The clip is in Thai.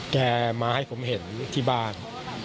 แกมาให้ผมเห็นที่บ้าน